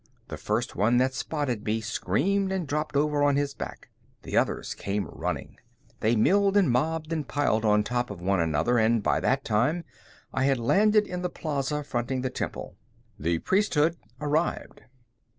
The first one that spotted me screamed and dropped over on his back. The others came running. They milled and mobbed and piled on top of one another, and by that time I had landed in the plaza fronting the temple. The priesthood arrived.